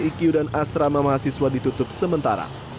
iq dan asrama mahasiswa ditutup sementara